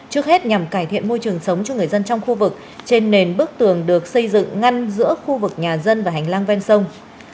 trước hết nhằm cải thiện môi trường sống cho người dân trong khu vực trên nền bức tường được xây dựng ngăn giữa khu vực nhà dân và hành lang ven sông